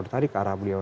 ditarik ke arah beliau